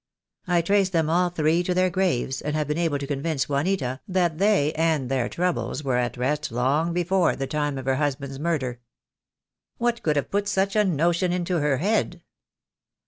I traced them all three to their graves, and have been able to convince Juanita that they and their troubles were at rest long before the time of her husband's murder." "What could have put such a notion into her head?"